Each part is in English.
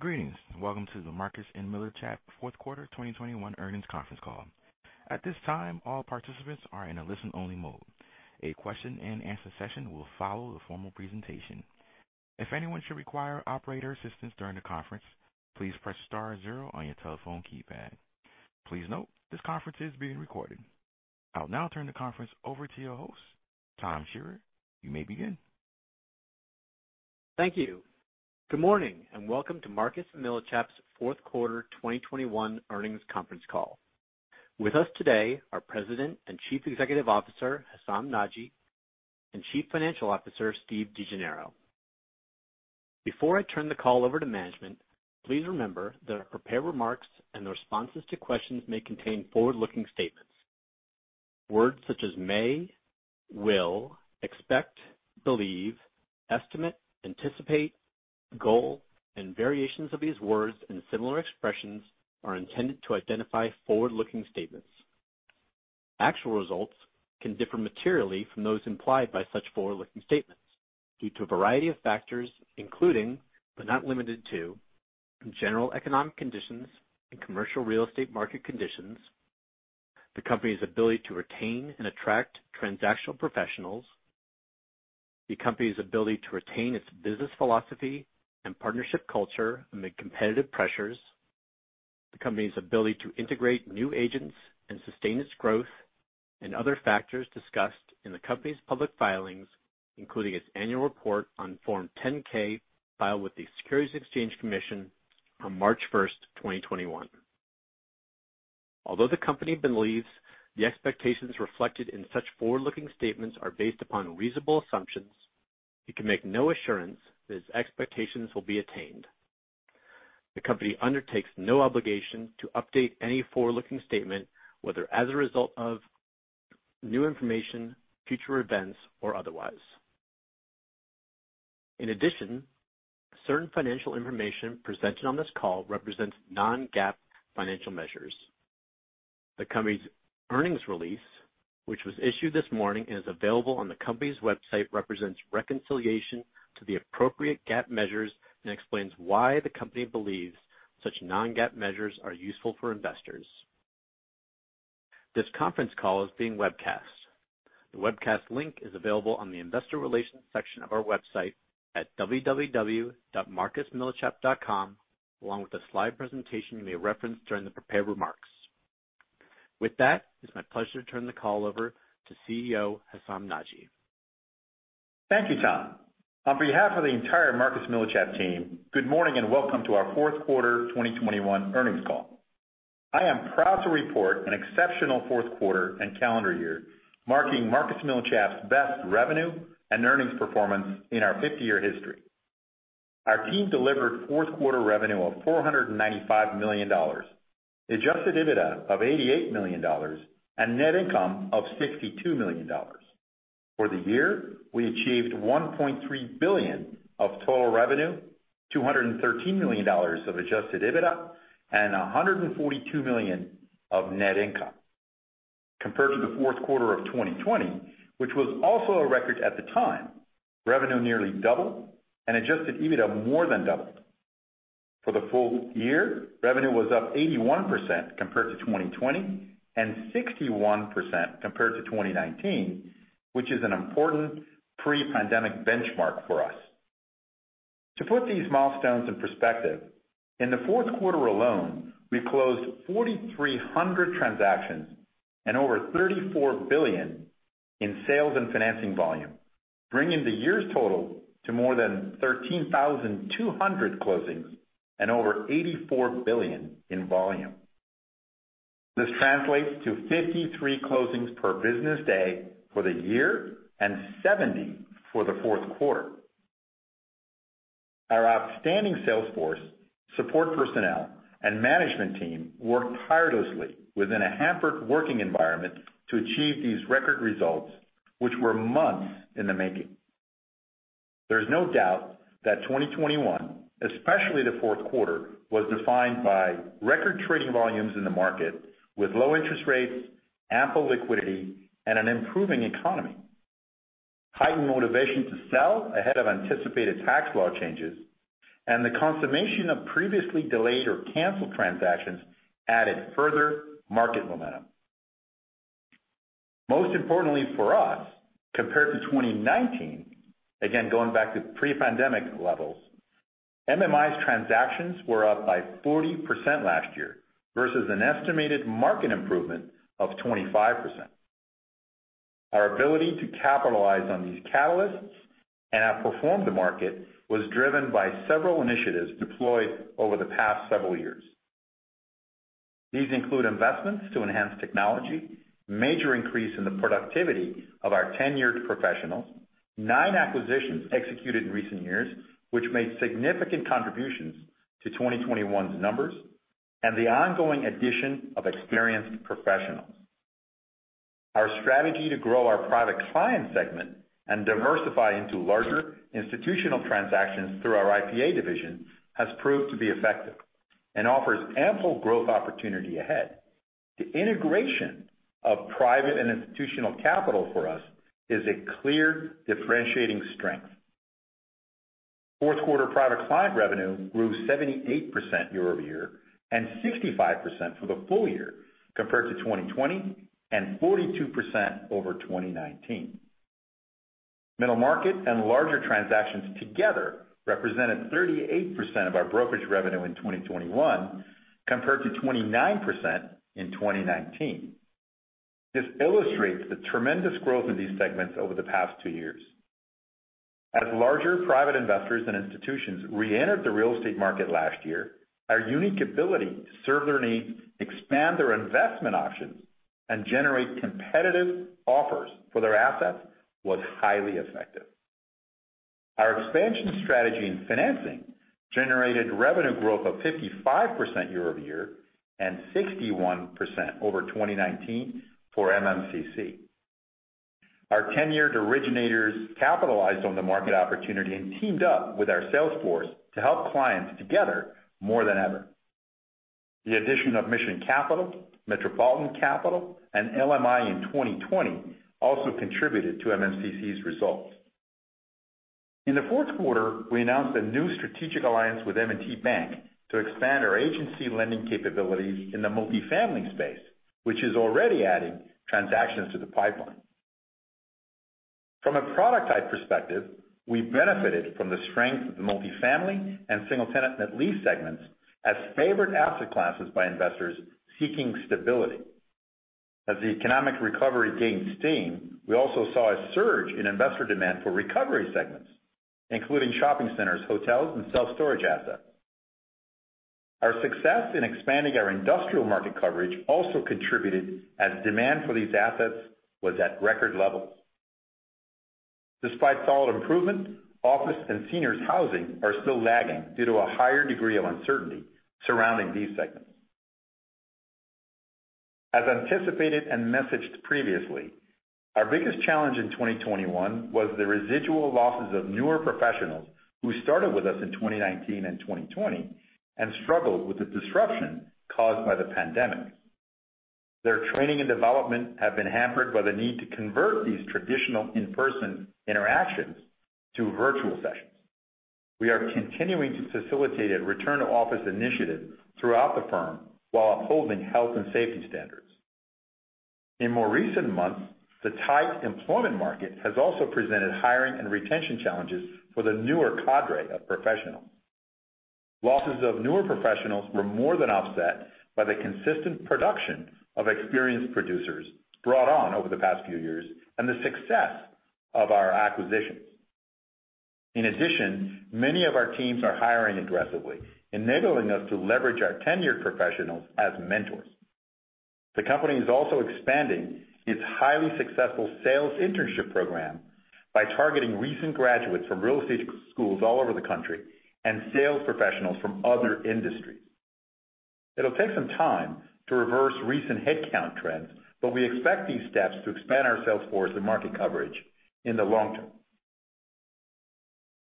Greetings. Welcome to the Marcus & Millichap fourth quarter 2021 earnings conference call. At this time, all participants are in a listen-only mode. A question-and-answer session will follow the formal presentation. If anyone should require operator assistance during the conference, please press star zero on your telephone keypad. Please note, this conference is being recorded. I'll now turn the conference over to your host, Tom Shearer. You may begin. Thank you. Good morning, and welcome to Marcus & Millichap's fourth quarter 2021 earnings conference call. With us today are President and Chief Executive Officer, Hessam Nadji, and Chief Financial Officer, Steve DeGennaro. Before I turn the call over to management, please remember that our prepared remarks and the responses to questions may contain forward-looking statements. Words such as may, will, expect, believe, estimate, anticipate, goal, and variations of these words and similar expressions are intended to identify forward-looking statements. Actual results can differ materially from those implied by such forward-looking statements due to a variety of factors, including, but not limited to general economic conditions and commercial real estate market conditions, the company's ability to retain and attract transactional professionals, the company's ability to retain its business philosophy and partnership culture amid competitive pressures, the company's ability to integrate new agents and sustain its growth, and other factors discussed in the company's public filings, including its annual report on Form 10-K filed with the Securities and Exchange Commission on March 1st, 2021. Although the company believes the expectations reflected in such forward-looking statements are based upon reasonable assumptions, it can make no assurance that its expectations will be attained. The company undertakes no obligation to update any forward-looking statement, whether as a result of new information, future events, or otherwise. In addition, certain financial information presented on this call represents non-GAAP financial measures. The company's earnings release, which was issued this morning and is available on the company's website, represents reconciliation to the appropriate GAAP measures and explains why the company believes such non-GAAP measures are useful for investors. This conference call is being webcast. The webcast link is available on the investor relations section of our website at www.marcusmillichap.com along with the slide presentation you may reference during the prepared remarks. With that, it's my pleasure to turn the call over to CEO, Hessam Nadji. Thank you, Tom. On behalf of the entire Marcus & Millichap team, good morning and welcome to our fourth quarter 2021 earnings call. I am proud to report an exceptional fourth quarter and calendar year, marking Marcus & Millichap's best revenue and earnings performance in our 50 year history. Our team delivered fourth quarter revenue of $495 million, Adjusted EBITDA of $88 million, and net income of $62 million. For the year, we achieved $1.3 billion of total revenue, $213 million of Adjusted EBITDA, and $142 million of net income. Compared to the fourth quarter of 2020, which was also a record at the time, revenue nearly doubled and Adjusted EBITDA more than doubled. For the full-year, revenue was up 81% compared to 2020 and 61% compared to 2019, which is an important pre-pandemic benchmark for us. To put these milestones in perspective, in the fourth quarter alone, we closed 4,300 transactions and over $34 billion in sales and financing volume, bringing the year's total to more than 13,200 closings and over $84 billion in volume. This translates to 53 closings per business day for the year and 70 for the fourth quarter. Our outstanding sales force, support personnel, and management team worked tirelessly within a hampered working environment to achieve these record results which were months in the making. There's no doubt that 2021, especially the fourth quarter, was defined by record trading volumes in the market with low interest rates, ample liquidity, and an improving economy. Heightened motivation to sell ahead of anticipated tax law changes and the consummation of previously delayed or canceled transactions added further market momentum. Most importantly for us, compared to 2019, again, going back to pre-pandemic levels, MMI's transactions were up by 40% last year versus an estimated market improvement of 25%. Our ability to capitalize on these catalysts and outperform the market was driven by several initiatives deployed over the past several years. These include investments to enhance technology, major increase in the productivity of our tenured professionals, nine acquisitions executed in recent years, which made significant contributions to 2021's numbers, and the ongoing addition of experienced professionals. Our strategy to grow our private client segment and diversify into larger institutional transactions through our IPA division has proved to be effective and offers ample growth opportunity ahead. The integration of private and institutional capital for us is a clear differentiating strength. Fourth quarter private client revenue grew 78% year-over-year and 65% for the full-year compared to 2020, and 42% over 2019. Middle market and larger transactions together represented 38% of our brokerage revenue in 2021 compared to 29% in 2019. This illustrates the tremendous growth in these segments over the past two years. As larger private investors and institutions reentered the real estate market last year, our unique ability to serve their needs, expand their investment options, and generate competitive offers for their assets was highly effective. Our expansion strategy in financing generated revenue growth of 55% year-over-year and 61% over 2019 for MMCC. Our tenured originators capitalized on the market opportunity and teamed up with our sales force to help clients together more than ever. The addition of Mission Capital, Metropolitan Capital, and LMI in 2020 also contributed to MMCC's results. In the fourth quarter, we announced a new strategic alliance with M&T Bank to expand our agency lending capabilities in the multifamily space, which is already adding transactions to the pipeline. From a product type perspective, we've benefited from the strength of the multifamily and single tenant net lease segments as favored asset classes by investors seeking stability. As the economic recovery gained steam, we also saw a surge in investor demand for recovery segments, including shopping centers, hotels, and self-storage assets. Our success in expanding our industrial market coverage also contributed as demand for these assets was at record levels. Despite solid improvement, office and seniors housing are still lagging due to a higher degree of uncertainty surrounding these segments. As anticipated and messaged previously, our biggest challenge in 2021 was the residual losses of newer professionals who started with us in 2019 and 2020 and struggled with the disruption caused by the pandemic. Their training and development have been hampered by the need to convert these traditional in-person interactions to virtual sessions. We are continuing to facilitate a return to office initiative throughout the firm while upholding health and safety standards. In more recent months, the tight employment market has also presented hiring and retention challenges for the newer cadre of professionals. Losses of newer professionals were more than offset by the consistent production of experienced producers brought on over the past few years and the success of our acquisitions. In addition, many of our teams are hiring aggressively, enabling us to leverage our tenured professionals as mentors. The company is also expanding its highly successful sales internship program by targeting recent graduates from real estate schools all over the country and sales professionals from other industries. It'll take some time to reverse recent headcount trends, but we expect these steps to expand our sales force and market coverage in the long term.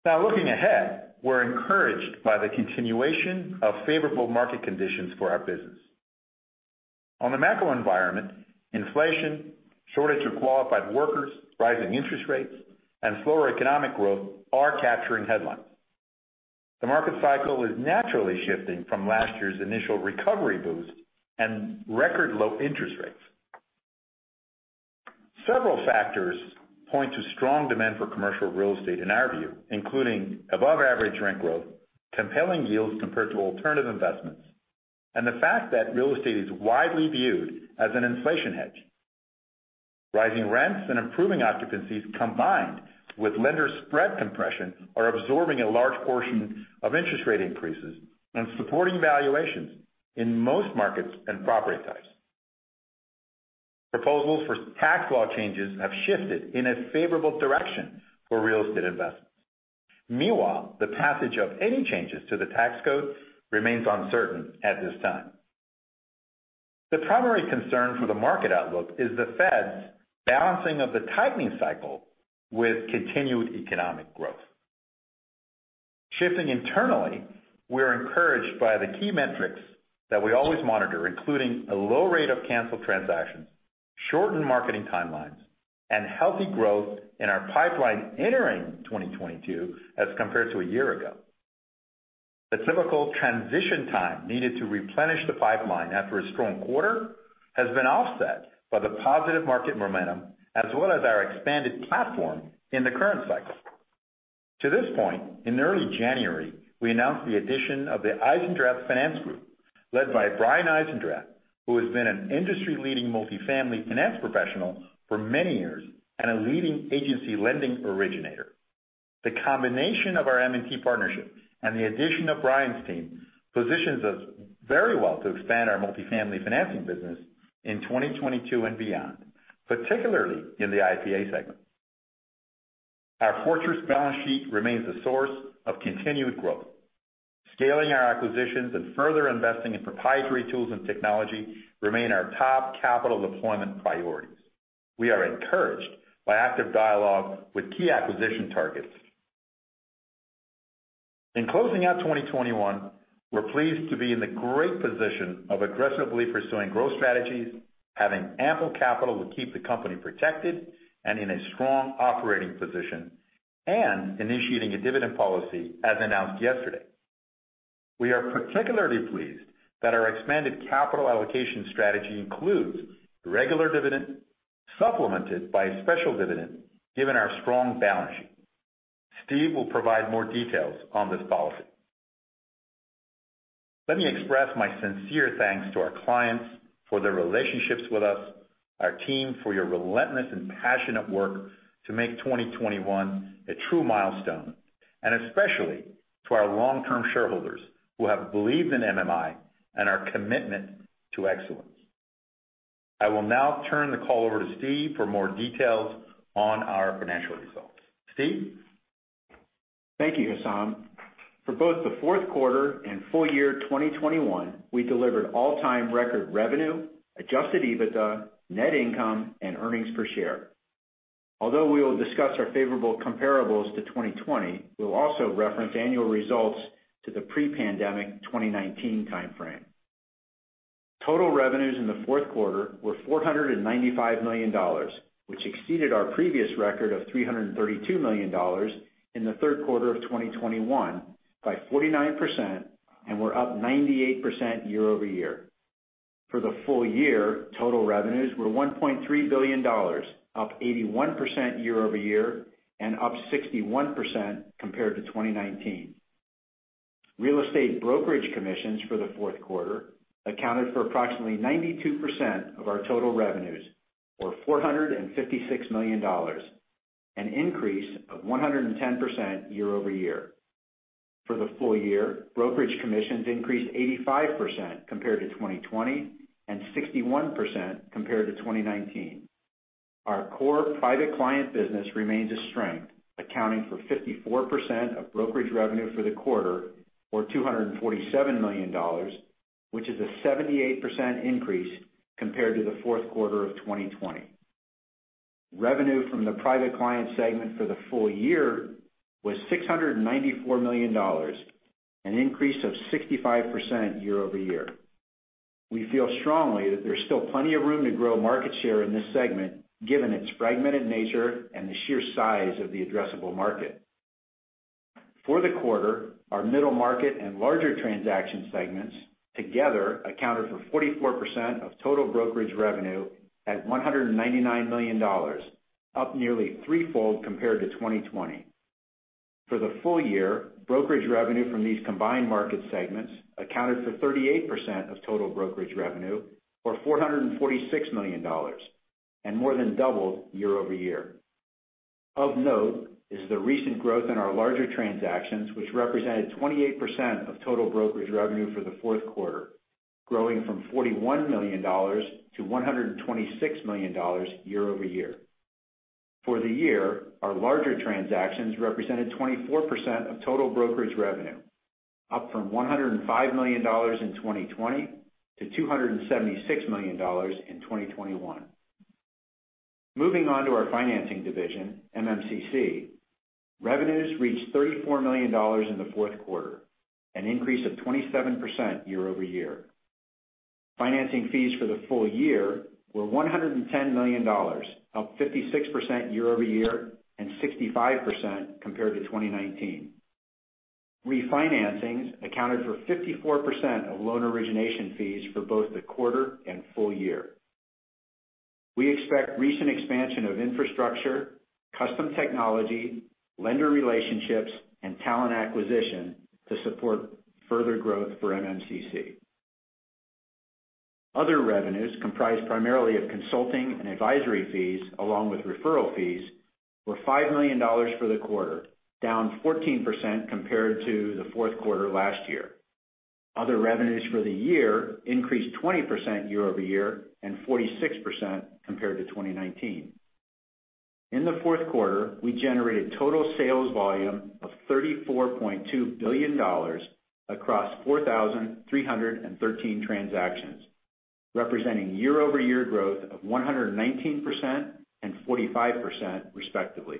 Now, looking ahead, we're encouraged by the continuation of favorable market conditions for our business. On the macro environment, inflation, shortage of qualified workers, rising interest rates, and slower economic growth are capturing headlines. The market cycle is naturally shifting from last year's initial recovery boost and record low interest rates. Several factors point to strong demand for commercial real estate in our view, including above average rent growth, compelling yields compared to alternative investments, and the fact that real estate is widely viewed as an inflation hedge. Rising rents and improving occupancies combined with lender spread compression are absorbing a large portion of interest rate increases and supporting valuations in most markets and property types. Proposals for tax law changes have shifted in a favorable direction for real estate investments. Meanwhile, the passage of any changes to the tax code remains uncertain at this time. The primary concern for the market outlook is the Fed's balancing of the tightening cycle with continued economic growth. Shifting internally, we're encouraged by the key metrics that we always monitor, including a low rate of canceled transactions, shortened marketing timelines, and healthy growth in our pipeline entering 2022 as compared to a year ago. The typical transition time needed to replenish the pipeline after a strong quarter has been offset by the positive market momentum as well as our expanded platform in the current cycle. To this point, in early January, we announced the addition of the Eisendrath Finance Group, led by Brian Eisendrath, who has been an industry-leading multifamily finance professional for many years and a leading agency lending originator. The combination of our M&T partnership and the addition of Brian's team positions us very well to expand our multifamily financing business in 2022 and beyond, particularly in the IPA segment. Our fortress balance sheet remains the source of continued growth. Scaling our acquisitions and further investing in proprietary tools and technology remain our top capital deployment priorities. We are encouraged by active dialogue with key acquisition targets. In closing out 2021, we're pleased to be in the great position of aggressively pursuing growth strategies, having ample capital to keep the company protected and in a strong operating position, and initiating a dividend policy as announced yesterday. We are particularly pleased that our expanded capital allocation strategy includes regular dividend supplemented by a special dividend given our strong balance sheet. Steve will provide more details on this policy. Let me express my sincere thanks to our clients for their relationships with us, our team for your relentless and passionate work to make 2021 a true milestone, and especially to our long-term shareholders who have believed in MMI and our commitment to excellence. I will now turn the call over to Steve for more details on our financial results. Steve? Thank you, Hessam. For both the fourth quarter and full-year 2021, we delivered all-time record revenue, Adjusted EBITDA, net income and earnings per share. Although we will discuss our favorable comparables to 2020, we'll also reference annual results to the pre-pandemic 2019 timeframe. Total revenues in the fourth quarter were $495 million, which exceeded our previous record of $332 million in the third quarter of 2021 by 49% and were up 98% year-over-year. For the full-year, total revenues were $1.3 billion, up 81% year-over-year and up 61% compared to 2019. Real estate brokerage commissions for the fourth quarter accounted for approximately 92% of our total revenues, or $456 million, an increase of 110% year-over-year. For the full-year, brokerage commissions increased 85% compared to 2020 and 61% compared to 2019. Our core private client business remains a strength, accounting for 54% of brokerage revenue for the quarter, or $247 million, which is a 78% increase compared to the fourth quarter of 2020. Revenue from the private client segment for the full-year was $694 million, an increase of 65% year-over-year. We feel strongly that there's still plenty of room to grow market share in this segment given its fragmented nature and the sheer size of the addressable market. For the quarter, our middle market and larger transaction segments together accounted for 44% of total brokerage revenue at $199 million, up nearly threefold compared to 2020. For the full-year, brokerage revenue from these combined market segments accounted for 38% of total brokerage revenue, or $446 million, and more than doubled year-over-year. Of note is the recent growth in our larger transactions, which represented 28% of total brokerage revenue for the fourth quarter, growing from $41 million-$126 million year-over-year. For the year, our larger transactions represented 24% of total brokerage revenue, up from $105 million in 2020 to $276 million in 2021. Moving on to our financing division, MMCC. Revenues reached $34 million in the fourth quarter, an increase of 27% year-over-year. Financing fees for the full-year were $110 million, up 56% year-over-year and 65% compared to 2019. Refinancings accounted for 54% of loan origination fees for both the quarter and full-year. We expect recent expansion of infrastructure, custom technology, lender relationships and talent acquisition to support further growth for MMCC. Other revenues comprised primarily of consulting and advisory fees along with referral fees were $5 million for the quarter, down 14% compared to the fourth quarter last year. Other revenues for the year increased 20% year-over-year and 46% compared to 2019. In the fourth quarter, we generated total sales volume of $34.2 billion across 4,313 transactions, representing year-over-year growth of 119% and 45% respectively.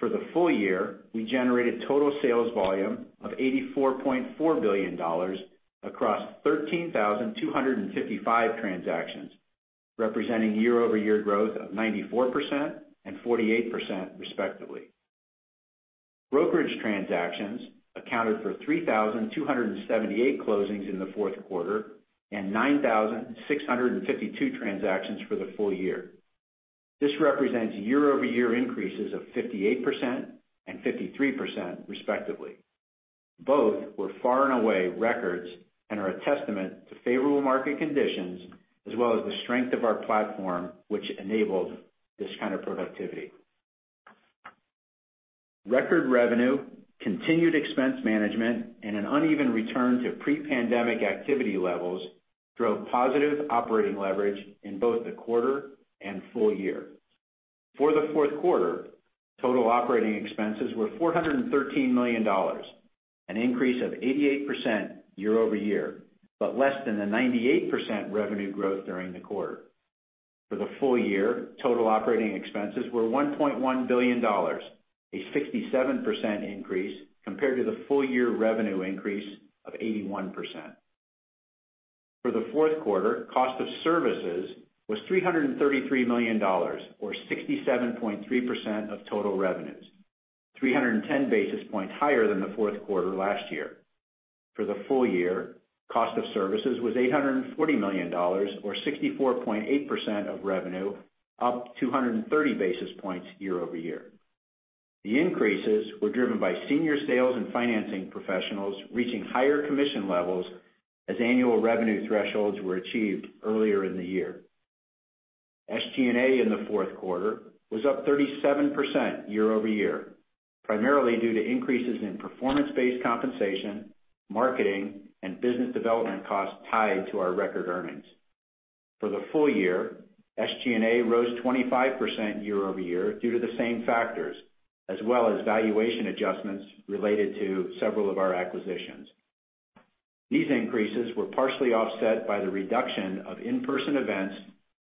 For the full-year, we generated total sales volume of $84.4 billion across 13,255 transactions, representing year-over-year growth of 94% and 48% respectively. Brokerage transactions accounted for 3,278 closings in the fourth quarter and 9,652 transactions for the full-year. This represents year-over-year increases of 58% and 53% respectively. Both were far and away records and are a testament to favorable market conditions as well as the strength of our platform which enabled this kind of productivity. Record revenue, continued expense management and an uneven return to pre-pandemic activity levels drove positive operating leverage in both the quarter and full-year. For the fourth quarter, total operating expenses were $413 million, an increase of 88% year-over-year, but less than the 98% revenue growth during the quarter. For the full-year, total operating expenses were $1.1 billion, a 67% increase compared to the full-year revenue increase of 81%. For the fourth quarter, cost of services was $333 million or 67.3% of total revenues, 310 basis points higher than the fourth quarter last year. For the full-year, cost of services was $840 million or 64.8% of revenue, up 230 basis points year-over-year. The increases were driven by senior sales and financing professionals reaching higher commission levels as annual revenue thresholds were achieved earlier in the year. SG&A in the fourth quarter was up 37% year-over-year, primarily due to increases in performance-based compensation, marketing, and business development costs tied to our record earnings. For the full-year, SG&A rose 25% year-over-year due to the same factors as well as valuation adjustments related to several of our acquisitions. These increases were partially offset by the reduction of in-person events,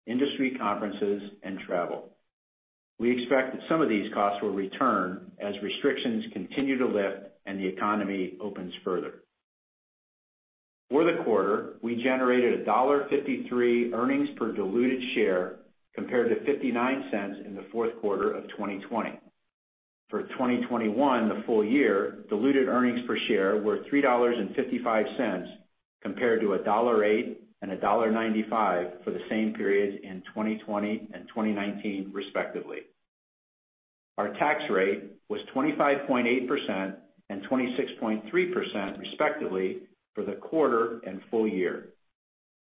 industry conferences, and travel. We expect that some of these costs will return as restrictions continue to lift and the economy opens further. For the quarter, we generated $1.53 earnings per diluted share compared to $0.59 in the fourth quarter of 2020. For 2021, the full-year diluted earnings per share were $3.55 compared to $1.08 and $1.95 for the same period in 2020 and 2019 respectively. Our tax rate was 25.8% and 26.3% respectively for the quarter and full-year.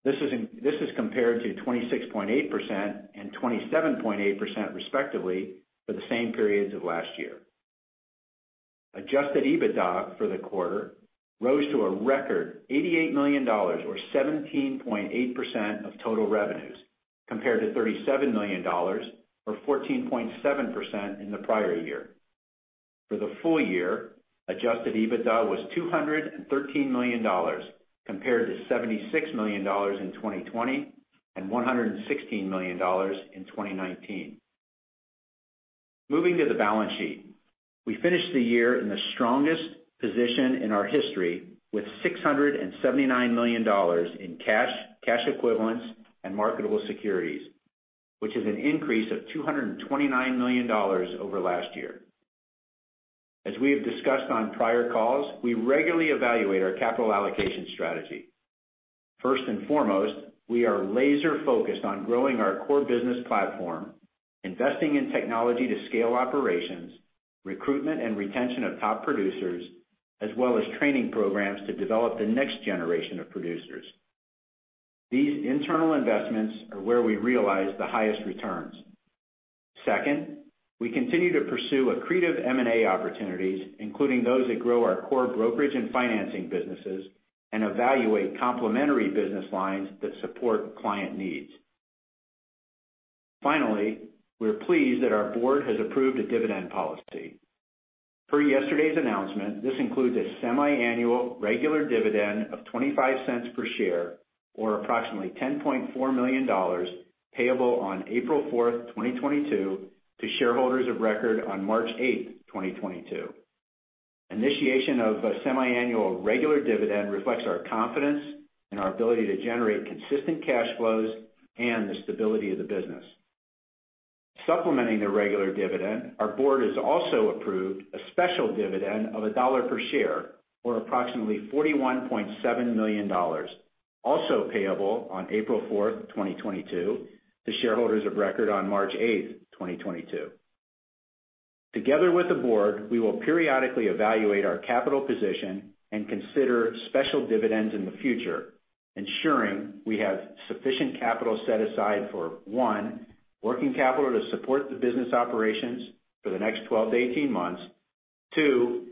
This is compared to 26.8% and 27.8% respectively for the same periods of last year. Adjusted EBITDA for the quarter rose to a record $88 million or 17.8% of total revenues compared to $37 million or 14.7% in the prior year. For the full-year, Adjusted EBITDA was $213 million compared to $76 million in 2020 and $116 million in 2019. Moving to the balance sheet. We finished the year in the strongest position in our history with $679 million in cash equivalents and marketable securities, which is an increase of $229 million over last year. As we have discussed on prior calls, we regularly evaluate our capital allocation strategy. First and foremost, we are laser-focused on growing our core business platform, investing in technology to scale operations, recruitment and retention of top producers, as well as training programs to develop the next generation of producers. These internal investments are where we realize the highest returns. Second, we continue to pursue accretive M&A opportunities, including those that grow our core brokerage and financing businesses, and evaluate complementary business lines that support client needs. Finally, we're pleased that our board has approved a dividend policy. Per yesterday's announcement, this includes a semi-annual regular dividend of $0.25 per share or approximately $10.4 million payable on April 4th, 2022 to shareholders of record on March 8th, 2022. Initiation of a semi-annual regular dividend reflects our confidence in our ability to generate consistent cash flows and the stability of the business. Supplementing the regular dividend, our board has also approved a special dividend of $1 per share or approximately $41.7 million, also payable on April 4th, 2022 to shareholders of record on March 8th, 2022. Together with the board, we will periodically evaluate our capital position and consider special dividends in the future, ensuring we have sufficient capital set aside for, one, working capital to support the business operations for the next 12 to 18 months. Two,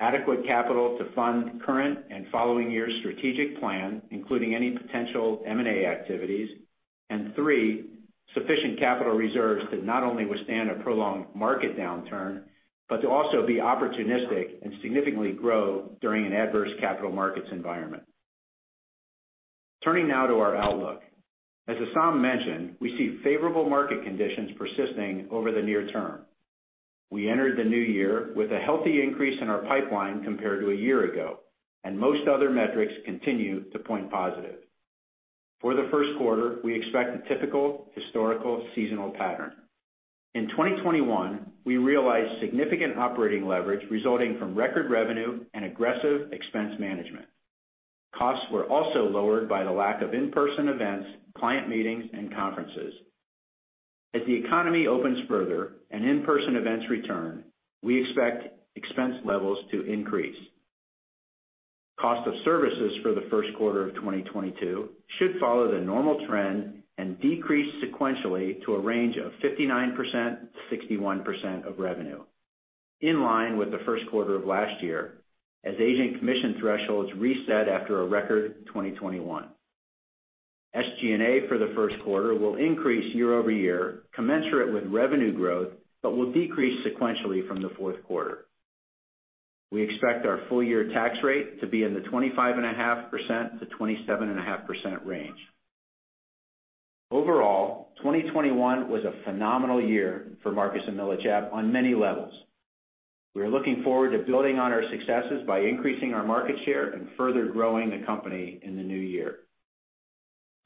adequate capital to fund current and following year's strategic plan, including any potential M&A activities. Three, sufficient capital reserves to not only withstand a prolonged market downturn, but to also be opportunistic and significantly grow during an adverse capital markets environment. Turning now to our outlook. As Hessam mentioned, we see favorable market conditions persisting over the near term. We entered the new year with a healthy increase in our pipeline compared to a year ago, and most other metrics continue to point positive. For the first quarter, we expect a typical historical seasonal pattern. In 2021, we realized significant operating leverage resulting from record revenue and aggressive expense management. Costs were also lowered by the lack of in-person events, client meetings and conferences. As the economy opens further and in-person events return, we expect expense levels to increase. Cost of services for the first quarter of 2022 should follow the normal trend and decrease sequentially to a range of 59%-61% of revenue in line with the first quarter of last year, as agent commission thresholds reset after a record 2021. SG&A for the first quarter will increase year over year commensurate with revenue growth, but will decrease sequentially from the fourth quarter. We expect our full-year tax rate to be in the 25.5%-27.5% range. Overall, 2021 was a phenomenal year for Marcus & Millichap on many levels. We are looking forward to building on our successes by increasing our market share and further growing the company in the new year.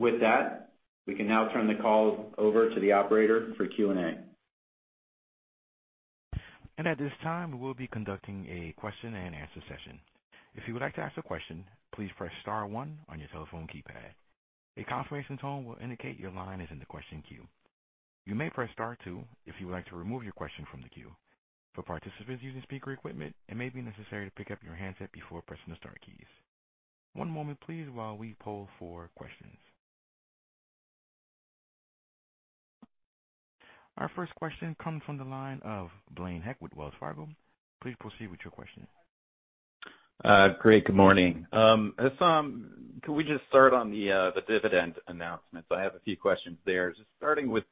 With that, we can now turn the call over to the operator for Q&A. At this time, we will be conducting a question-and-answer session. If you would like to ask a question, please press star one on your telephone keypad. A confirmation tone will indicate your line is in the question queue. You may press star two if you would like to remove your question from the queue. For participants using speaker equipment, it may be necessary to pick up your handset before pressing the star keys. One moment please while we poll for questions. Our first question comes from the line of Blaine Heck with Wells Fargo. Please proceed with your question. Great, good morning. Hessam, could we just start on the dividend announcement? I have a few questions there. Just starting with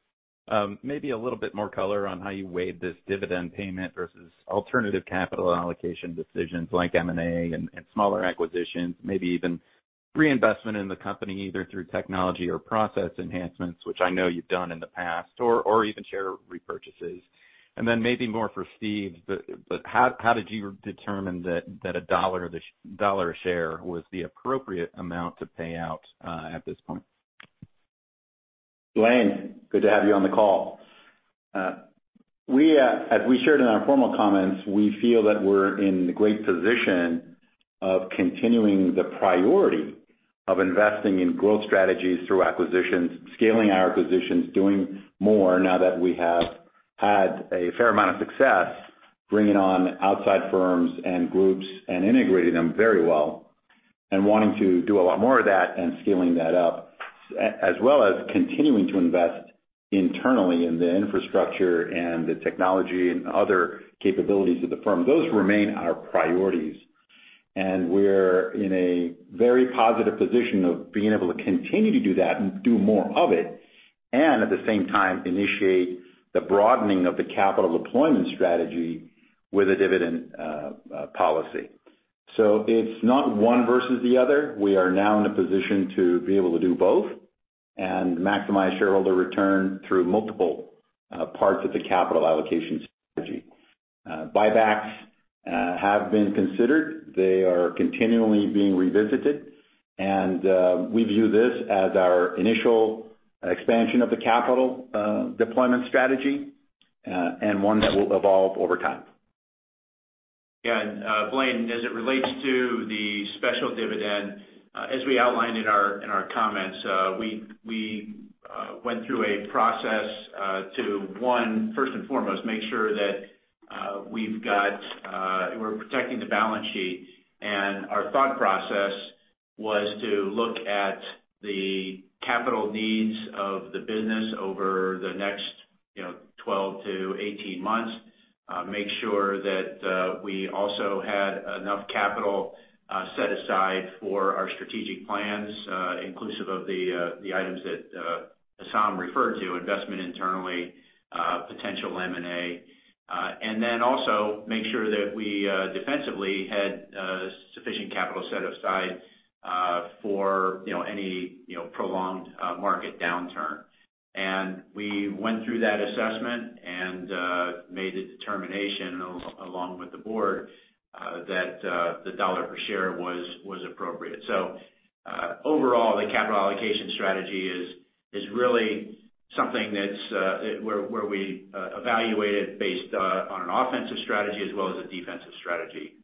maybe a little bit more color on how you weighed this dividend payment versus alternative capital allocation decisions like M&A and smaller acquisitions, maybe even reinvestment in the company, either through technology or process enhancements, which I know you've done in the past, or even share repurchases. Then maybe more for Steve, but how did you determine that $1 a share was the appropriate amount to pay out at this point? Blaine, good to have you on the call. As we shared in our formal comments, we feel that we're in a great position of continuing the priority of investing in growth strategies through acquisitions, scaling our acquisitions, doing more now that we have had a fair amount of success bringing on outside firms and groups and integrating them very well and wanting to do a lot more of that and scaling that up, as well as continuing to invest internally in the infrastructure and the technology and other capabilities of the firm. Those remain our priorities. We're in a very positive position of being able to continue to do that and do more of it, and at the same time, initiate the broadening of the capital deployment strategy with a dividend policy. It's not one versus the other. We are now in a position to be able to do both and maximize shareholder return through multiple parts of the capital allocation strategy. Buybacks have been considered. They are continually being revisited, and we view this as our initial expansion of the capital deployment strategy, and one that will evolve over time. Yeah, Blaine, as it relates to the special dividend, as we outlined in our comments, we went through a process to first and foremost make sure that we're protecting the balance sheet. Our thought process was to look at the capital needs of the business over the next, you know, 12-18 months, make sure that we also had enough capital set aside for our strategic plans, inclusive of the items that Hessam referred to, investment internally, potential M&A. Then also make sure that we defensively had sufficient capital set aside for, you know, any prolonged market downturn. We went through that assessment and made a determination along with the board that the dollar per share was appropriate. Overall, the capital allocation strategy is really something that's where we evaluate it based on an offensive strategy as well as a defensive strategy.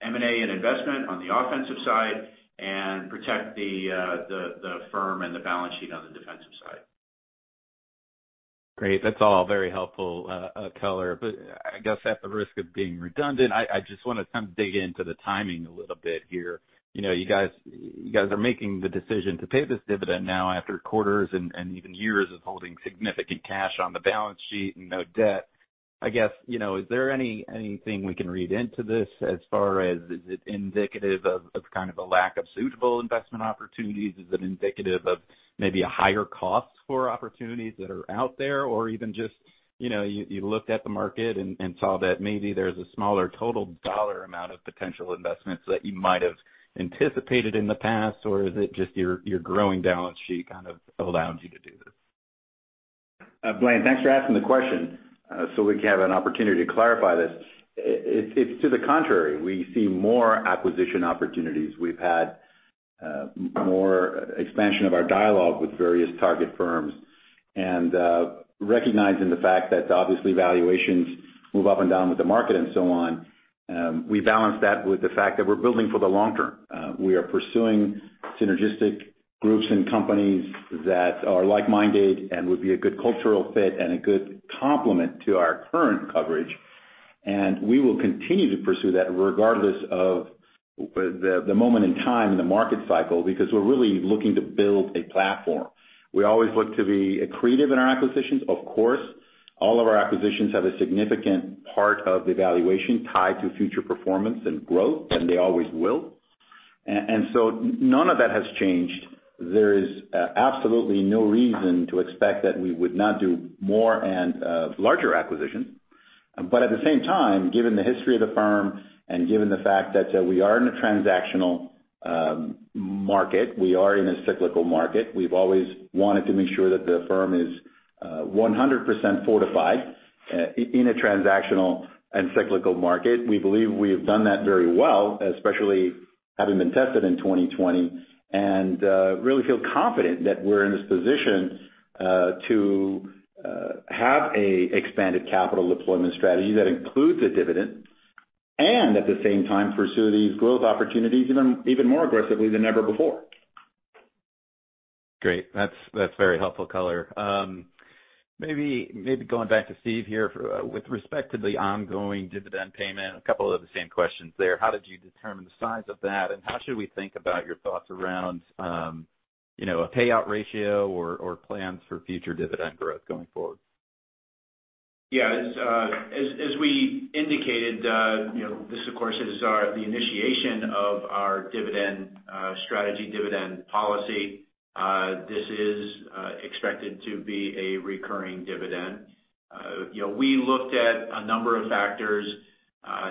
M&A and investment on the offensive side and protect the firm and the balance sheet on the defensive side. Great. That's all very helpful color. I guess at the risk of being redundant, I just wanna kind of dig into the timing a little bit here. You know, you guys are making the decision to pay this dividend now after quarters and even years of holding significant cash on the balance sheet and no debt. I guess, you know, is there anything we can read into this as far as is it indicative of kind of a lack of suitable investment opportunities? Is it indicative of maybe a higher cost for opportunities that are out there? Even just, you know, you looked at the market and saw that maybe there's a smaller total dollar amount of potential investments that you might have anticipated in the past, or is it just your growing balance sheet kind of allows you to do this? Blaine, thanks for asking the question, so we can have an opportunity to clarify this. It's to the contrary. We see more acquisition opportunities. We've had more expansion of our dialogue with various target firms. Recognizing the fact that obviously valuations move up and down with the market and so on, we balance that with the fact that we're building for the long term. We are pursuing synergistic groups and companies that are like-minded and would be a good cultural fit and a good complement to our current coverage. We will continue to pursue that regardless of the moment in time in the market cycle, because we're really looking to build a platform. We always look to be accretive in our acquisitions. Of course, all of our acquisitions have a significant part of the valuation tied to future performance and growth, and they always will. None of that has changed. There is absolutely no reason to expect that we would not do more and larger acquisition. At the same time, given the history of the firm and given the fact that we are in a transactional market, we are in a cyclical market, we've always wanted to make sure that the firm is 100% fortified in a transactional and cyclical market. We believe we have done that very well, especially having been tested in 2020. Really feel confident that we're in this position to have an expanded capital deployment strategy that includes a dividend, and at the same time, pursue these growth opportunities even more aggressively than ever before. Great. That's very helpful color. Maybe going back to Steve here for with respect to the ongoing dividend payment, a couple of the same questions there. How did you determine the size of that, and how should we think about your thoughts around, you know, a payout ratio or plans for future dividend growth going forward? Yeah. As we indicated, you know, this of course is the initiation of our dividend strategy, dividend policy. This is expected to be a recurring dividend. You know, we looked at a number of factors,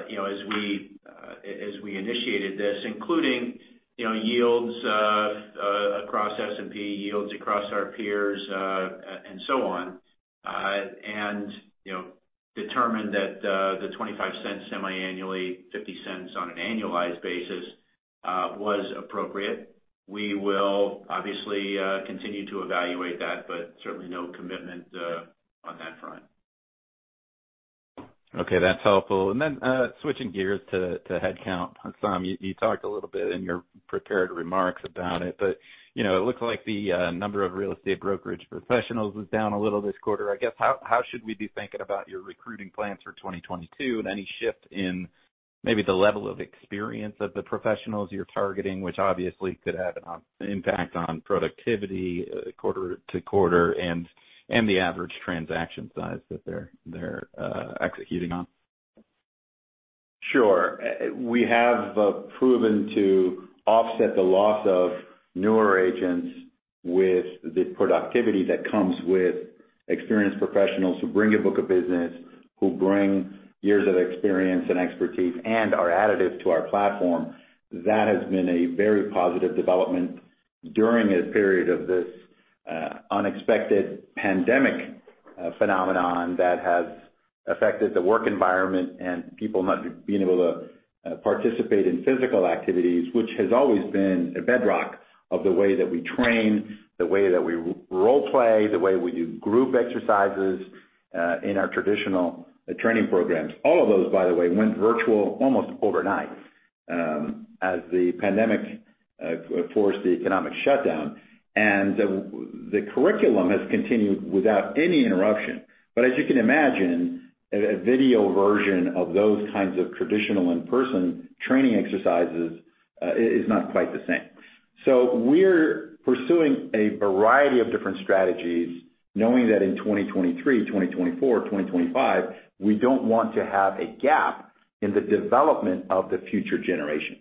you know, as we initiated this, including, you know, yields across S&P, yields across our peers, and so on, and, you know, determined that the $0.25 semiannually, $0.50 on an annualized basis was appropriate. We will obviously continue to evaluate that, but certainly no commitment on that front. Okay, that's helpful. Switching gears to headcount. Hessam, you talked a little bit in your prepared remarks about it, but you know, it looks like the number of real estate brokerage professionals was down a little this quarter. I guess, how should we be thinking about your recruiting plans for 2022 and any shift in maybe the level of experience of the professionals you're targeting, which obviously could have an impact on productivity quarter to quarter and the average transaction size that they're executing on? Sure. We have proven to offset the loss of newer agents with the productivity that comes with experienced professionals who bring a book of business, who bring years of experience and expertise and are additive to our platform. That has been a very positive development during a period of this unexpected pandemic phenomenon that has affected the work environment and people not being able to participate in physical activities, which has always been a bedrock of the way that we train, the way that we role play, the way we do group exercises in our traditional training programs. All of those, by the way, went virtual almost overnight as the pandemic forced the economic shutdown. The curriculum has continued without any interruption. As you can imagine, a video version of those kinds of traditional in-person training exercises is not quite the same. We're pursuing a variety of different strategies, knowing that in 2023, 2024, 2025, we don't want to have a gap in the development of the future generation.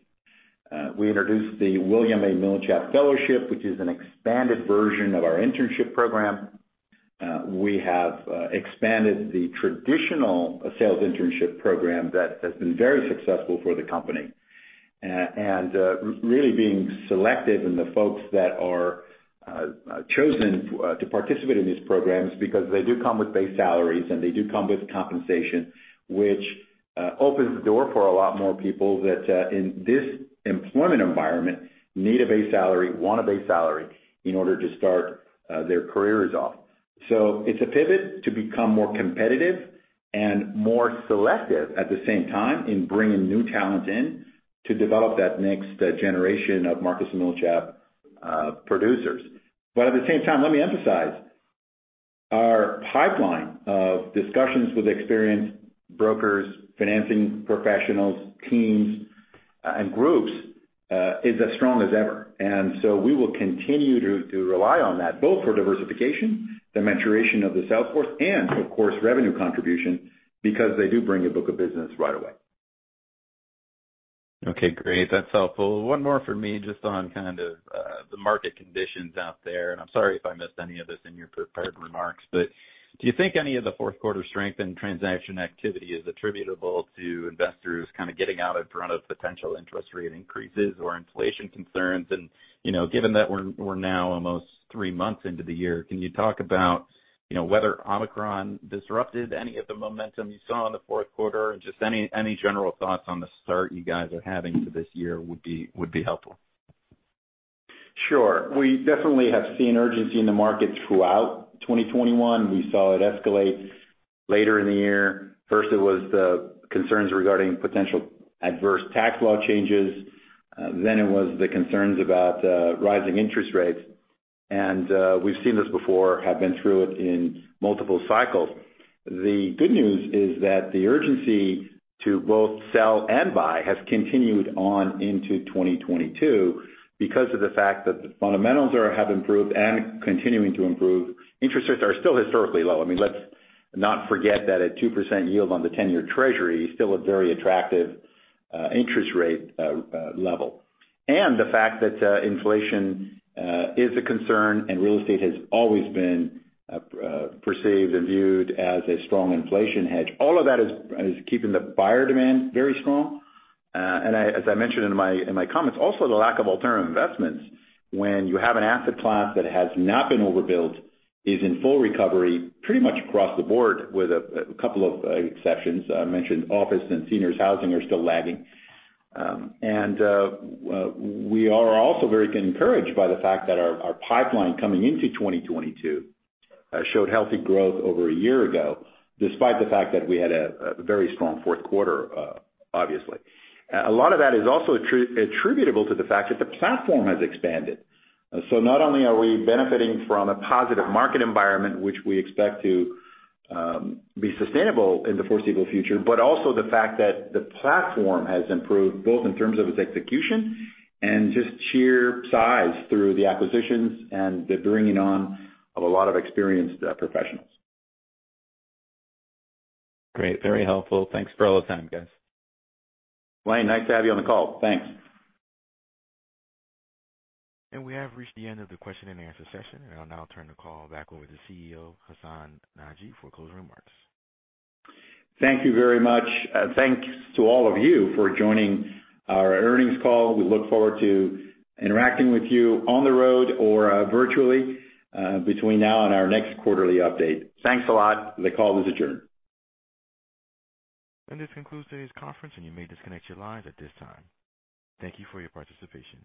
We introduced the William A. Millichap Fellowship, which is an expanded version of our internship program. We have expanded the traditional sales internship program that has been very successful for the company. Really being selective in the folks that are chosen to participate in these programs because they do come with base salaries and they do come with compensation, which opens the door for a lot more people that, in this employment environment, need a base salary, want a base salary in order to start their careers off. It's a pivot to become more competitive and more selective at the same time in bringing new talent in to develop that next generation of Marcus & Millichap producers. At the same time, let me emphasize, our pipeline of discussions with experienced brokers, financing professionals, teams and groups is as strong as ever. We will continue to rely on that, both for diversification, the maturation of the sales force, and of course, revenue contribution, because they do bring a book of business right away. Okay, great. That's helpful. One more for me, just on kind of the market conditions out there, and I'm sorry if I missed any of this in your prepared remarks. Do you think any of the fourth quarter strength and transaction activity is attributable to investors kind of getting out in front of potential interest rate increases or inflation concerns? You know, given that we're now almost three months into the year, can you talk about, you know, whether Omicron disrupted any of the momentum you saw in the fourth quarter? Just any general thoughts on the start you guys are having for this year would be helpful. Sure. We definitely have seen urgency in the market throughout 2021. We saw it escalate later in the year. First, it was the concerns regarding potential adverse tax law changes, then it was the concerns about rising interest rates. We've seen this before, have been through it in multiple cycles. The good news is that the urgency to both sell and buy has continued on into 2022. Because of the fact that the fundamentals have improved and continuing to improve, interest rates are still historically low. I mean, let's not forget that a 2% yield on the 10 year Treasury is still a very attractive interest rate level. The fact that inflation is a concern and real estate has always been perceived and viewed as a strong inflation hedge. All of that is keeping the buyer demand very strong. As I mentioned in my comments, also the lack of alternative investments when you have an asset class that has not been overbuilt, is in full recovery, pretty much across the board with a couple of exceptions. I mentioned office and seniors housing are still lagging. We are also very encouraged by the fact that our pipeline coming into 2022 showed healthy growth over a year ago, despite the fact that we had a very strong fourth quarter, obviously. A lot of that is also attributable to the fact that the platform has expanded. Not only are we benefiting from a positive market environment, which we expect to be sustainable in the foreseeable future, but also the fact that the platform has improved both in terms of its execution and just sheer size through the acquisitions and the bringing on of a lot of experienced professionals. Great. Very helpful. Thanks for all the time, guys. Blaine, nice to have you on the call. Thanks. We have reached the end of the question and answer session. I'll now turn the call back over to CEO Hessam Nadji for closing remarks. Thank you very much. Thanks to all of you for joining our earnings call. We look forward to interacting with you on the road or virtually between now and our next quarterly update. Thanks a lot. The call is adjourned. This concludes today's conference, and you may disconnect your lines at this time. Thank you for your participation.